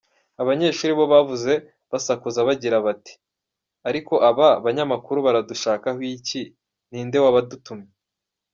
Abanyeshuri bo bavuze basakuza bagira bati: “Ariko aba banyamakuru baradushakaho iki ni nde wabadutumye?”.